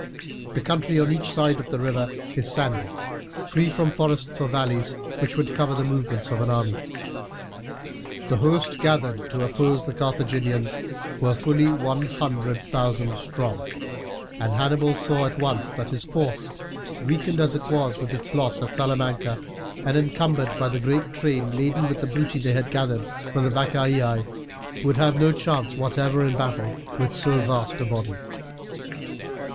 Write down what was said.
The country on each side of the river is sandy, free from forests or valleys, which would cover the movements of an army. The host gathered to oppose the Carthaginians were fully one hundred thousand strong, and Hannibal saw at once that his force, weakened as it was with its loss at Salamanca, and encumbered by the great train laden with the booty they had gathered from the Vacaei, would have no chance whatever in a battle with so vast a body.